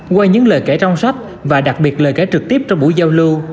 qua những lời kể trong sách và đặc biệt lời kể trực tiếp trong buổi giao lưu